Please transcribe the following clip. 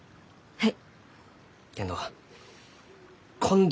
はい。